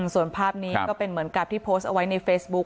ส่วนภาพนี้ก็เป็นเหมือนกับที่โพสต์เอาไว้ในเฟซบุ๊ค